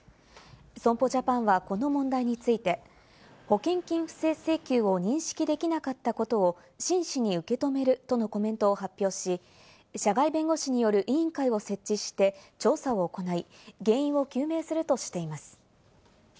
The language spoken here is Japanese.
損保ジャパンはこの問題について保険金不正請求を認識できなかったことを真摯に受け止めるとのコメントを発表し、社外弁護士による委員会を設置して調査を行い、原因を究明するとしています。